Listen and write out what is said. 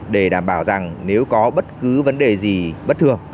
để đảm bảo rằng nếu có bất cứ vấn đề gì bất thường